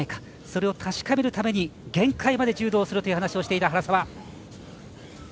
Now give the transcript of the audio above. それを確かめるために限界まで柔道をすると話していた原沢。